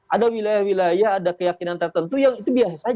ada wilayah wilayah ada keyakinan tertentu yang itu biasa saja